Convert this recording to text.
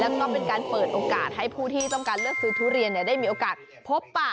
แล้วก็เป็นการเปิดโอกาสให้ผู้ที่ต้องการเลือกซื้อทุเรียนได้มีโอกาสพบปะ